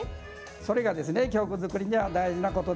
それが狂句作りには大事なことですね。